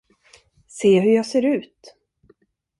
Se hur jag ser ut!